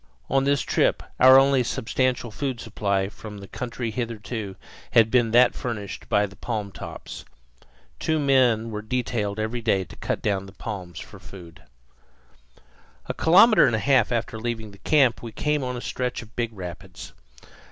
On this trip our only substantial food supply from the country hitherto had been that furnished by the palmtops. Two men were detailed every day to cut down palms for food. A kilometre and a half after leaving this camp we came on a stretch of big rapids.